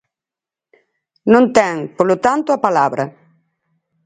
Non ten, polo tanto, a palabra.